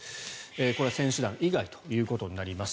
これ、選手団以外ということになります。